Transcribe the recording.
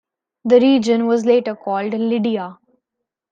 The region was later called Lydia.